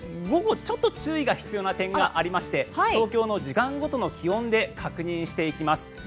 午後はちょっと注意が必要な点がありまして東京の時間ごとの気温で確認していきます。